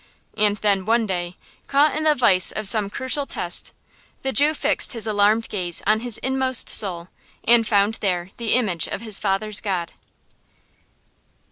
And then, one day, caught in the vise of some crucial test, the Jew fixed his alarmed gaze on his inmost soul, and found there the image of his father's God.